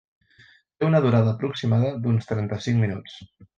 Té una durada aproximada d'uns trenta-cinc minuts.